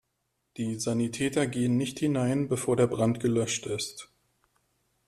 Die Sanitäter gehen nicht hinein, bevor der Brand gelöscht ist.